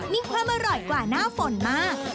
มีความอร่อยกว่าหน้าฝนมาก